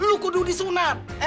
mike lu kudu disunat